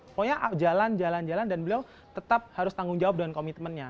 pokoknya jalan jalan dan beliau tetap harus tanggung jawab dengan komitmennya